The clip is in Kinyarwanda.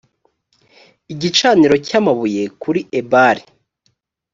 igicaniro cy amabuye kuri ebali